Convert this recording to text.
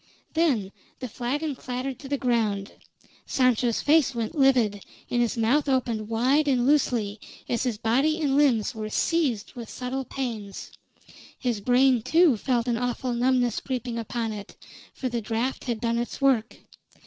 Then the flagon clattered to the ground, Sancho's face went livid, and his mouth opened wide and loosely, as his body and limbs were seized with subtle pains. His brain, too, felt an awful numbness creeping upon it; for the draft had done its work.